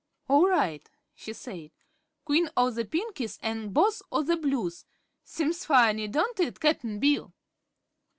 "All right," she said; "Queen o' the Pinkies an' Boss o' the Blues. Seems funny, don't it, Cap'n Bill?"